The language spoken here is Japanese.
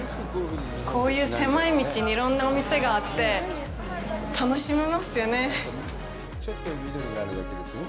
こういう狭い道にいろんなお店があって楽しめますよね。